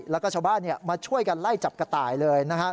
แล้วก็ชาวบ้านมาช่วยกันไล่จับกระต่ายเลยนะฮะ